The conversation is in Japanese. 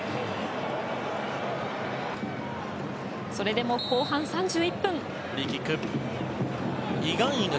それでも、後半３１分。